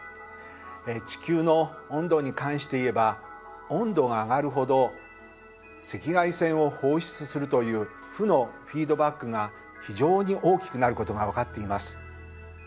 地球の温度に関して言えば温度が上がるほど赤外線を放出するという負のフィードバックが非常に大きくなることが分かっています。